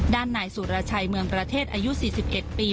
ด้านนายสุรชัยเมืองประเทศอายุ๔๑ปี